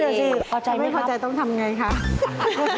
นั่นแหละสิพอใจไม๊ครับถ้าไม่พอใจต้องทำอย่างไรคะ